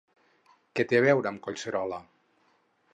Què té a veure amb Collserola?